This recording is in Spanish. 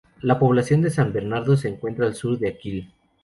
La población de San Bernardo se encuentra al sur de Akil.